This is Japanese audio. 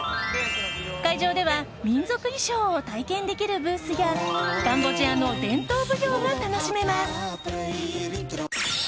会場では民族衣装を体験できるブースやカンボジアの伝統舞踊が楽しめます。